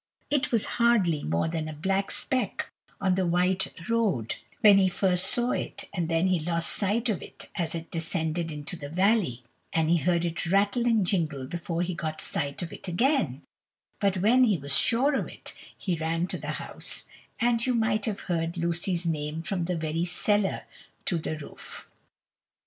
It was hardly more than a black speck on the white road when he first saw it, and then he lost sight of it as it descended into the valley, and he heard it rattle and jingle before he got sight of it again; but when he was sure of it, he ran to the house, and you might have heard Lucy's name from the very cellar to the roof.